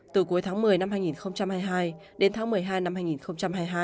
từ cuối tháng một mươi năm hai nghìn hai mươi hai đến tháng một mươi hai năm hai nghìn hai mươi hai